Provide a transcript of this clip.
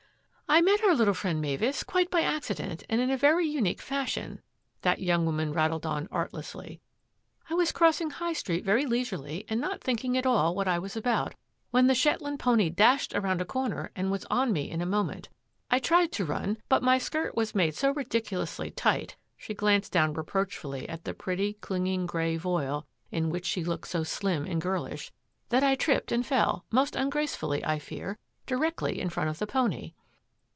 " I met our little friend, Mavis, quite by acci dent and in a very unique fashion," that young woman rattled on artlessly. " I was crossing High Street very leisurely and not thinking at all what I was about, when the Shetland pony dashed around a comer and was on me in a moment. I tried to run, but my skirt was made so ridiculously tight" — she glanced down reproachfully at the pretty, clinging grey voile in which she looked so slim and girlish —" that I tripped and f eD, most ungracefully, I fear, directly in front of the pony."